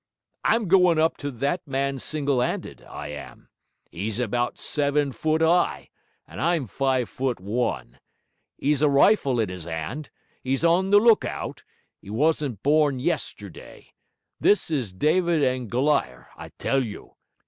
I'm goin' up to that man single 'anded, I am. 'E's about seven foot high, and I'm five foot one. 'E's a rifle in his 'and, 'e's on the look out, 'e wasn't born yesterday. This is Dyvid and Goliar, I tell you!